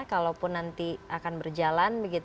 kalaupun nanti akan berjalan